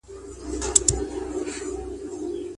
اوښان په غره کي نه ګرځي.